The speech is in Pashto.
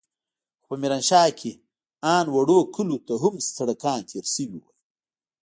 خو په ميرانشاه کښې ان وړو کليو ته هم سړکان تېر سوي وو.